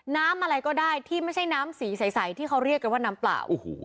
น้ำอะไรก็ได้ที่ไม่ใช่น้ำสีใสที่เขาเรียกกันว่าน้ำเปล่า